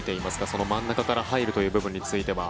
その真ん中から入るという部分については。